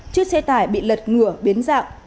chiếc xe tải bị lật ngửa biến dạng